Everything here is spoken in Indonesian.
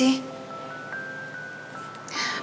perasaanku jadi gak enak